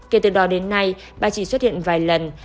kể từ đó đến nay bà chỉ xuất hiện vài lần